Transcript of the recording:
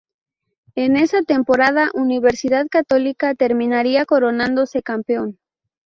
En esa temporada, Universidad Católica terminaría coronándose campeón.